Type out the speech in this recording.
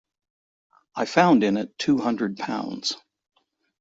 I found in it two hundred pounds.